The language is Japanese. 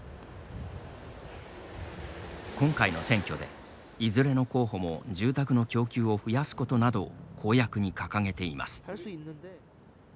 今回の選挙で、いずれの候補も住宅の供給を増やすことなどを公約に掲げています。